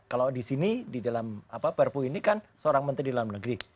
kalau di sini di dalam perpu ini kan seorang menteri dalam negeri